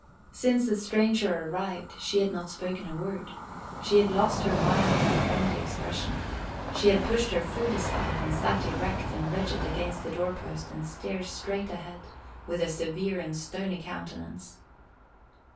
Since the stranger arrived, she had not spoken a word. She had lost her mild and friendly expression. She had pushed her food aside, and sat erect and rigid against the door post, and stared straight ahead, with a severe and stony countenance.